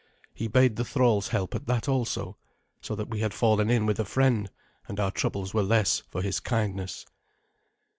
He bade the thralls help at that also, so that we had fallen in with a friend, and our troubles were less for his kindness.